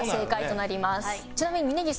ちなみに峯岸さん